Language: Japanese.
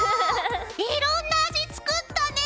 いろんな味作ったねぇ！